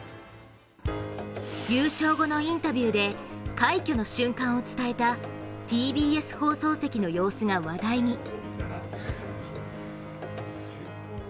優勝後のインタビューで快挙の瞬間を伝えたＴＢＳ放送席の様子が話題に。